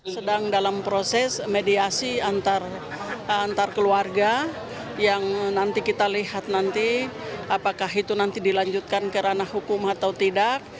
sedang dalam proses mediasi antar keluarga yang nanti kita lihat nanti apakah itu nanti dilanjutkan ke ranah hukum atau tidak